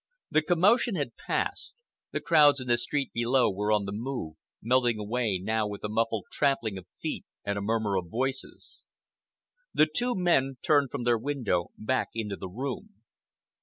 The commotion had passed. The crowds in the street below were on the move, melting away now with a muffled trampling of feet and a murmur of voices. The two men turned from their window back into the room.